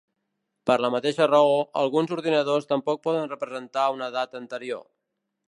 Per la mateixa raó, alguns ordinadors tampoc poden representar una data anterior.